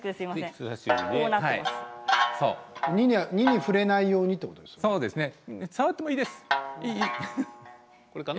２に触れないようにということですか。